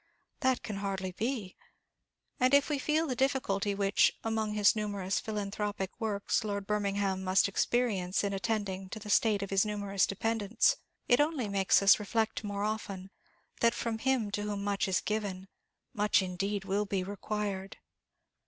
That can hardly be. And if we feel the difficulty which, among his numerous philanthropic works, Lord Birmingham must experience in attending to the state of his numerous dependents, it only makes us reflect more often, that from him to whom much is given, much indeed will be required!